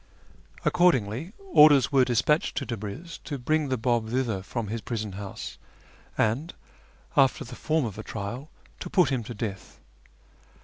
Accordingly, orders were despatched to I'abn'z to bring the Biib thither from his prison house, and, after the form of a trial, to put him to death.